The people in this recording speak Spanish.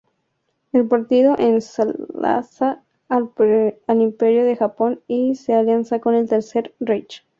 El partido ensalza al Imperio de Japón y su alianza con el Tercer Reich.